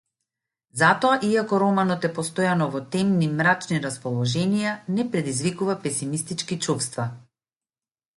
Затоа, иако романот е постојано во темни, мрачни расположенија, не предизвикува песимистички чувства.